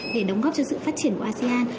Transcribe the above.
để đóng góp cho sự phát triển của asean